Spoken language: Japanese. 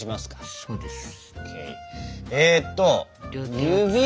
そうですよ。